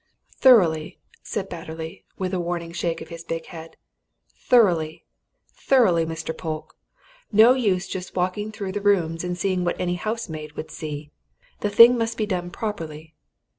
"Thoroughly!" said Batterley, with a warning shake of his big head. "Thoroughly thoroughly, Mr. Polke! No use just walking through the rooms, and seeing what any housemaid would see the thing must be done properly.